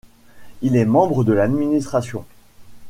Il est membre de d'administration.